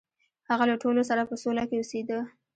هغه له ټولو سره په سوله کې اوسیده.